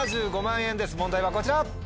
問題はこちら。